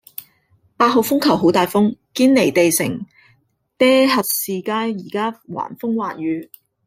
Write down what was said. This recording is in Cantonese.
八號風球好大風，堅尼地城爹核士街依家橫風橫雨